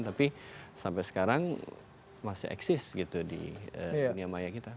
tapi sampai sekarang masih eksis gitu di dunia maya kita